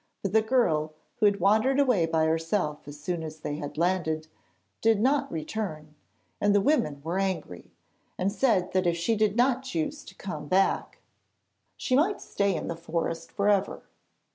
But the girl, who had wandered away by herself as soon as they had landed, did not return, and the women were angry, and said that if she did not choose to come back, she might stay in the forest for ever.